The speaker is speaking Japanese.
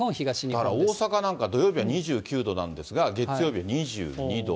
だから大阪なんか土曜日は２９度なんですが、月曜日２２度。